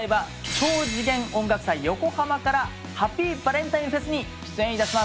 超次元音楽祭ヨコハマからハッピーバレンタインフェスに出演いたします。